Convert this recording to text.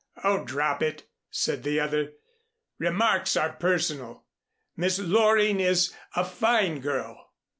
"Oh, drop it," said the other. "Remarks are personal. Miss Loring is fine girl.